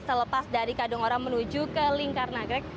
selepas dari kadungoro menuju ke lingkar nagrek